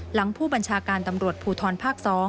หลังผู้บัญชาการตำรวจภูทรภาค๒